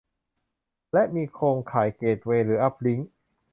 และ มีโครงข่ายเกตเวย์ หรือ อัพลิงค์